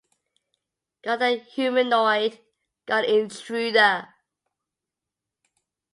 Got the humanoid, got the intruder.